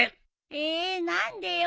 え何でよ。